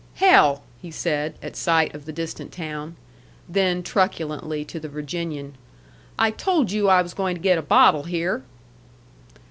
"Hell!" he said, at sight of the distant town. Then, truculently, to the Virginian, "I told you I was going to get a bottle here."